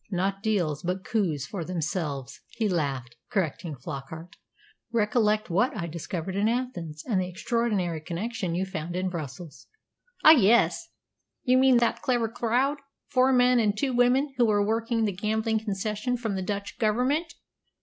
"Not deals but coups for themselves," he laughed, correcting Flockart. "Recollect what I discovered in Athens, and the extraordinary connection you found in Brussels." "Ah, yes. You mean that clever crowd four men and two women who were working the gambling concession from the Dutch Government!"